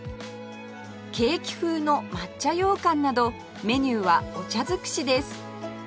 ケーキ風の抹茶ようかんなどメニューはお茶尽くしです